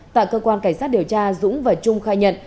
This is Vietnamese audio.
tại cơ quan cảnh sát điều tra dũng và trung khai nhận